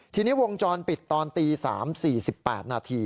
ทีนี้วงจรปิดตอนตี๓๔๘นาที